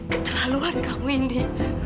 keterlaluan kamu ini